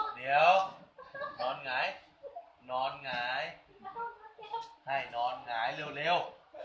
เดี๋ยวนอนไงนอนไงใช่นอนไงเร็วเร็ว